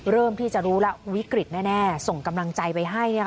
เริ่มที่จะรู้แล้ววิกฤตแน่ส่งกำลังใจไปให้